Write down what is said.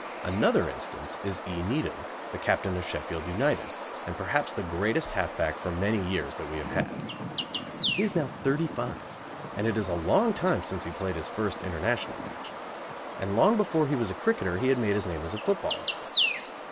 Another instance is E. Needham, the captain of Sheffield United, and perhaps the greatest half back for many years that we have had. He is now thirty five, and it is a long time since he played his first International match, and long before he was a cricketer he had made his name as a footballer.